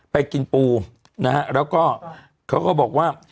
ไปกินปูนะฮะแล้วก็เขาก็บอกว่า